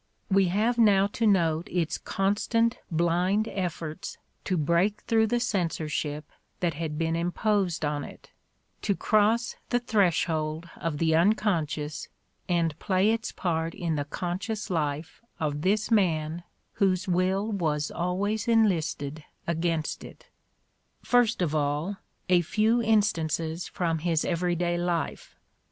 We have now to note its con stant blind efforts to break through the censorship that had been imposed on it, to cross the threshold of the unconscious and play its part in the conscious life of this man whose will was always enlisted against it. First of all, a few instances from his everyday life.